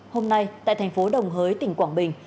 hôm nay tại thành phố đồng hới tỉnh quảng bình